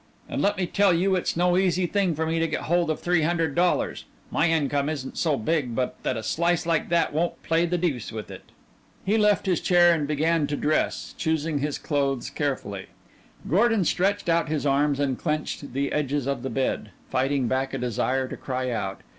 And let me tell you it's no easy thing for me to get hold of three hundred dollars. My income isn't so big but that a slice like that won't play the deuce with it." He left his chair and began to dress, choosing his clothes carefully. Gordon stretched out his arms and clenched the edges of the bed, fighting back a desire to cry out.